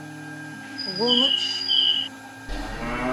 Умычъ!